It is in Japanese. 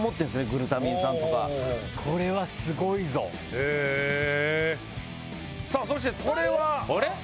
グルタミン酸とかこれはすごいぞへぇさあそしてこれは？